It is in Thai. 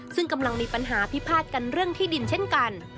ซึ่งกำลังมีปัญหาพิพาทกันเรื่องที่ดินเช่นกัน